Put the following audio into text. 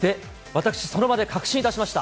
私、その場で確信しました。